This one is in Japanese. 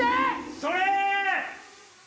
それ！